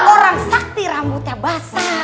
orang sakti rambutnya basah